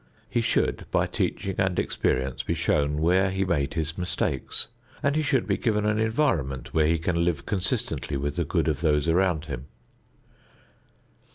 He should by teaching and experience be shown where he made his mistakes, and he should be given an environment where he can live consistently with the good of those around him.